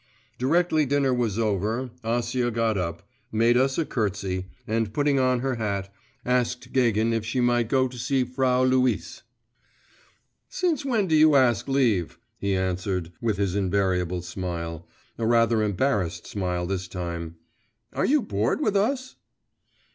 Directly dinner was over, Acia got up, made us a curtsey, and putting on her hat, asked Gagin if she might go to see Frau Luise. 'Since when do you ask leave,' he answered with his invariable smile, a rather embarrassed smile this time; 'are you bored with us?